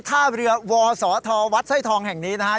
ท่าเรือวสทวไส้ทองแห่งนี้นะฮะ